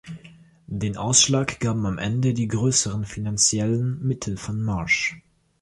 Den Ausschlag gaben am Ende die größeren finanziellen Mittel von Marsh.